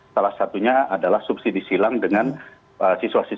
salah satunya adalah subsidi silang dengan siswa siswa yang mampu mensukses